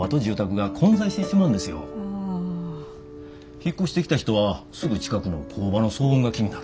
引っ越してきた人はすぐ近くの工場の騒音が気になる。